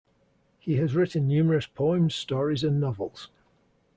He has written numerous poems, stories, and novels.